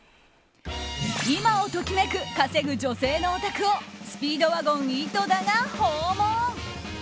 今を時めく稼ぐ女性のお宅をスピードワゴン・井戸田が訪問。